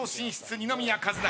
二宮和也。